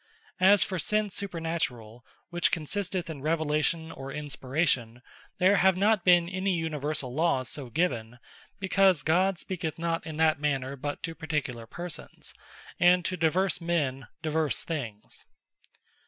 As for Sense Supernaturall, which consisteth in Revelation, or Inspiration, there have not been any Universall Lawes so given, because God speaketh not in that manner, but to particular persons, and to divers men divers things.